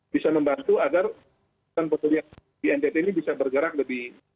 bisa membantu agar penyelamatan penyelamatan di npp ini bisa bergerak lebih